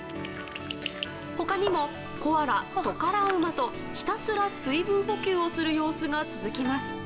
他にもコアラ、トカラウマとひたすら水分補給をする様子が続きます。